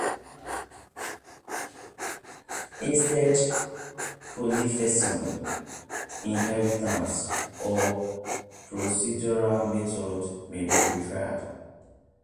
Instead polymorphism, inheritance, or procedural methods may be preferred.